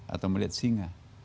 atau melihat singa